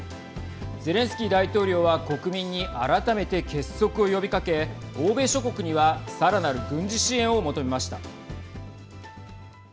ゼレンスキー大統領は国民に改めて結束を呼びかけ欧米諸国にはさらなる軍事支援を求めました。